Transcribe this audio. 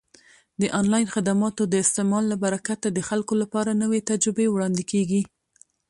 د آنلاین خدماتو د استعمال له برکته د خلکو لپاره نوې تجربې وړاندې کیږي.